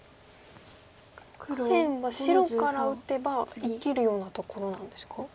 下辺は白から打てば生きるようなところなんですか？